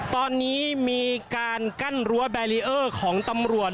ตอนนี้มีการกั้นรั้วแบรีเออร์ของตำรวจ